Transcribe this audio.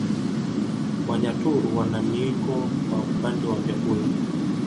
Wanyaturu wana miiko kwa upande wa vyakula